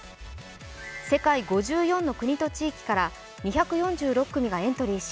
世界５４の国と地域から２４６組がエントリーし